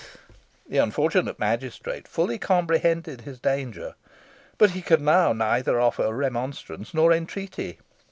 The unfortunate magistrate fully comprehended his danger, but he could now neither offer remonstrance nor entreaty.